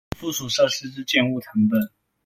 附屬設施之建物謄本